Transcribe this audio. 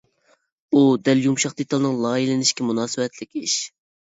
ئۇ دەل يۇمشاق دېتالنىڭ لايىھەلىنىشىگە مۇناسىۋەتلىك ئىش.